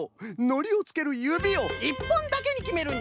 のりをつけるゆびを１ぽんだけにきめるんじゃ！